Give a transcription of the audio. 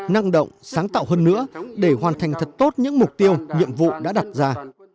năng động sáng tạo hơn nữa để hoàn thành thật tốt những mục tiêu nhiệm vụ đã đặt ra